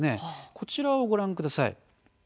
こちらをご覧ください。